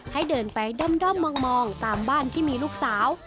ให้เดินไปด้อมมองตามบ้านที่มีลูกสาว